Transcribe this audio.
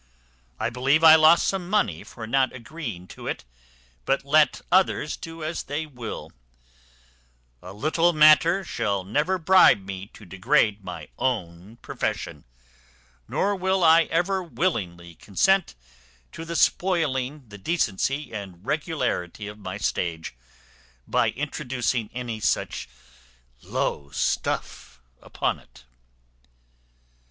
I believe I lost some money for not agreeing to it; but let others do as they will; a little matter shall never bribe me to degrade my own profession, nor will I ever willingly consent to the spoiling the decency and regularity of my stage, by introducing any such low stuff upon it."